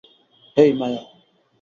হেই, মায়া।